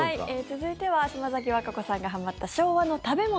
続いては島崎和歌子さんがはまった昭和の食べ物。